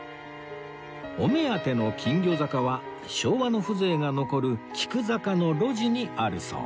お目当ての金魚坂は昭和の風情が残る菊坂の路地にあるそう